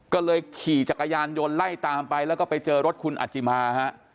ก็เลยขี่จักรยานยนต์ไล่ตามไปแล้วก็ไปเจอรถคุณอัจจิมาฮะ